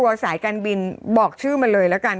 ๕สมใสปุ๊บโทรถามเลยค่ะ